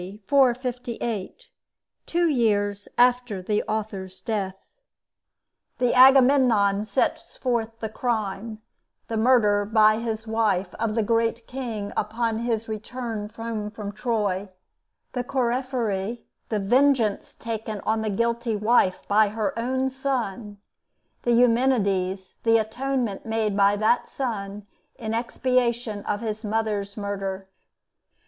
458, two years after the author's death. The 'Agamemnon' sets forth the crime, the murder, by his wife, of the great King, on his return home from Troy; the 'Choëphori,' the vengeance taken on the guilty wife by her own son; the 'Eumenides,' the atonement made by that son in expiation of his mother's murder.